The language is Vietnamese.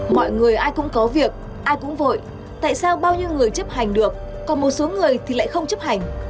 mọi người ai cũng có việc ai cũng vội tại sao bao nhiêu người chấp hành được còn một số người thì lại không chấp hành